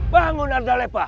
bangun arda lepak